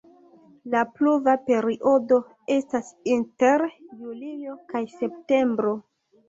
La pluva periodo estas inter julio kaj septembro.